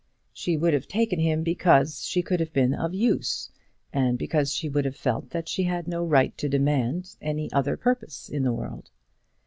She would have taken him because she could have been of use, and because she would have felt that she had no right to demand any other purpose in the world.